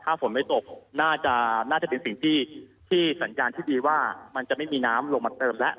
ถ้าฝนไม่ตกน่าจะเป็นสิ่งที่สัญญาณที่ดีว่ามันจะไม่มีน้ำลงมาเติมแล้ว